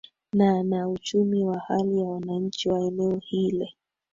na na uchumi na hali ya wananchi wa eneo hile